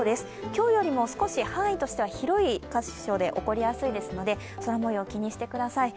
今日よりも少し範囲としては広い箇所で起こりそうですので空もよう、気にしてください。